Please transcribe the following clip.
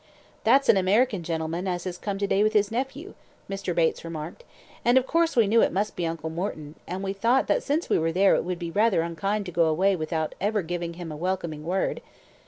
"'That's an American gentleman as has come to day with his nephew,' Mr. Bates remarked, and, of course, we knew it must be Uncle Morton, and we thought since we were there it would be rather unkind to go away without ever giving him a welcoming word.